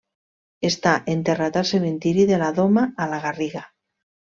Està enterrat al cementiri de la Doma, a la Garriga.